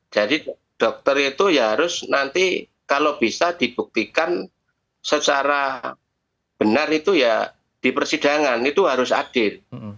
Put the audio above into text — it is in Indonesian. jadi dokter itu ya harus nanti kalau bisa dibuktikan secara benar itu ya di persidangan itu harus adil